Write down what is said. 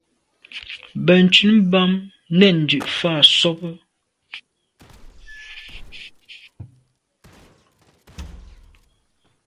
Benntùn bam, nèn dù’ fà’ sobe.